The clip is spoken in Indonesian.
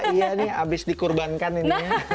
iya nih habis dikurbankan ini